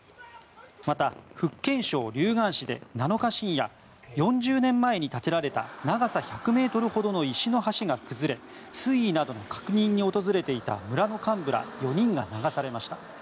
また、福建省竜岩市で７日深夜４０年前に建てられた長さ１００ｍほどの石の橋が崩れ水位などの確認に訪れていた村の幹部ら４人が流されました。